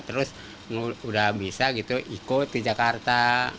terus udah bisa gitu ikut di jakarta